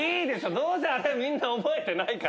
どうせあれみんな覚えてないから。